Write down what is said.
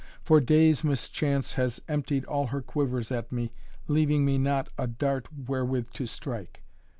"For days mischance has emptied all her quivers at me, leaving me not a dart wherewith to strike."